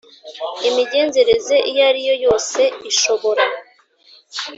Imigenzereze Iyo Ari Yo Yose Ishobora